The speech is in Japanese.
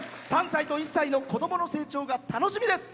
３歳と１歳の子供の成長が楽しみです。